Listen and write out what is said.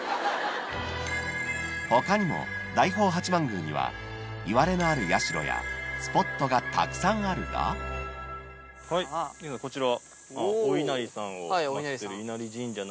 他にも大宝八幡宮にはいわれのある社やスポットがたくさんあるがこちら。